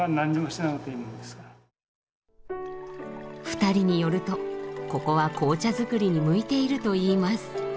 二人によるとここは紅茶作りに向いているといいます。